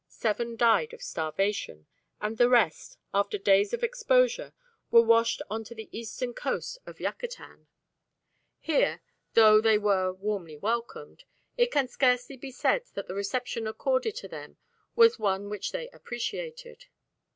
Seven died of starvation, and the rest, after days of exposure, were washed on to the eastern coast of Yucatan. Here though they were warmly welcomed it can scarcely be said that the reception accorded to them was one which they appreciated.